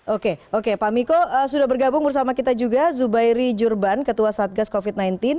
oke oke pak miko sudah bergabung bersama kita juga zubairi jurban ketua satgas covid sembilan belas